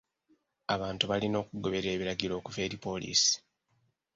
Abantu balina okugoberera ebiragiro okuva eri poliisi.